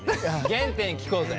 原点聞こうぜ。